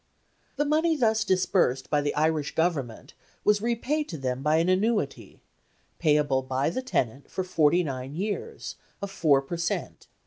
The money thus disbursed by the Irish Government was repaid to them by an annuity, payable by the tenant for forty nine years, of 4 per cent.